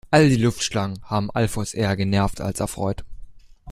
All die Luftschlangen haben Alfons eher genervt als erfreut.